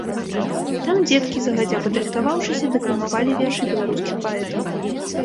Там дзеткі, загадзя падрыхтаваўшыся, дэкламавалі вершы беларускіх паэтаў.